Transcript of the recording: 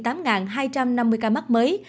trong ngày hôm bảy mươi tám hai trăm năm mươi ca mắc mới